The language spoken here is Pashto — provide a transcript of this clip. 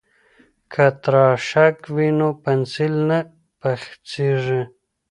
که تراشک وي نو پنسل نه پڅیږي.